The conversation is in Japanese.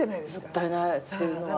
もったいない捨てるのは。